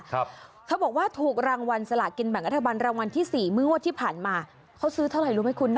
เขาบอกว่าถูกรางวัลสละกินแบบกระทะบันรางวัลที่๔มื้อที่ผ่านมาเขาซื้อเท่าไหร่รู้ไหมคุณ